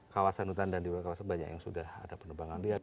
kawasan hutan dan di luar kawasan banyak yang sudah ada penerbangan